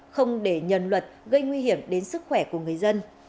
không để nhân luật gây nguy hiểm đến sức khỏe của người dân